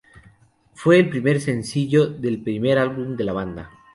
Fue el primer sencillo del primer álbum de la banda.